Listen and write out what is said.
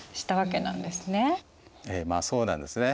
ええまあそうなんですね。